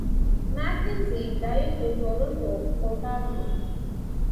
Mackenzie died in Toronto, Ontario.